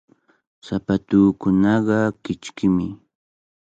Sapatuukunaqa kichkimi.